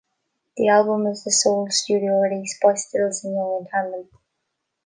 The album is the sole studio release by Stills and Young in tandem.